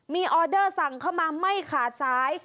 มีออเดอร์สั่งเข้ามาไม่ขาดสาย